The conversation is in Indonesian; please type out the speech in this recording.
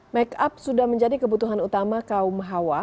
makeup sudah menjadi kebutuhan utama kaum hawa